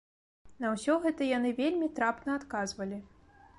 На ўсё гэта яны вельмі трапна адказвалі.